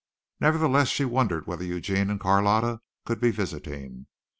Nevertheless she wondered whether Eugene and Carlotta could be visiting.